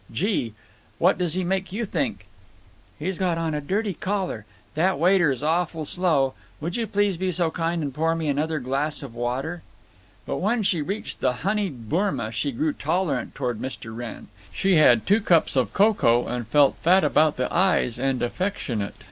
Gee! What does he make you think—" "He's got on a dirty collar…. That waiter's awful slow…. Would you please be so kind and pour me another glass of water?" But when she reached the honied bourma she grew tolerant toward Mr. Wrenn. She had two cups of cocoa and felt fat about the eyes and affectionate.